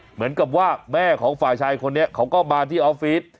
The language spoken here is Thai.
เหมือนกับว่าแม่ของฝ่ายชายคนนี้เขาก็มาที่ออฟฟิศ